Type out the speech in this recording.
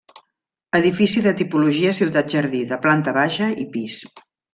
Edifici de tipologia ciutat-jardí, de planta baixa i pis.